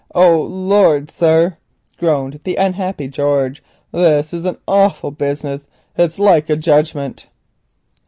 "Oh, Lord, sir," groaned the unhappy George, "this is an awful business. It's like a judgment."